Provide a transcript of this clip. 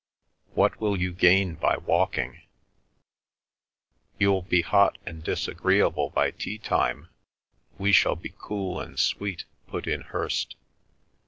"What will you gain by walking?" "You'll be hot and disagreeable by tea time, we shall be cool and sweet," put in Hirst.